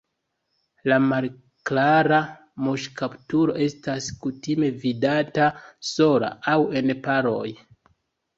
La Malklara muŝkaptulo estas kutime vidata sola aŭ en paroj.